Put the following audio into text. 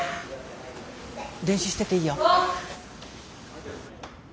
練習してていいよ。